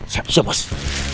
siap siap siap